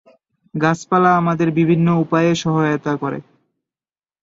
গাছপালা আমাদের বিভিন্ন উপায়ে সহায়তা করে।